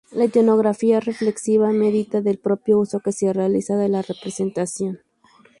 La etnografía reflexiva medita del propio uso que se realiza de la representación.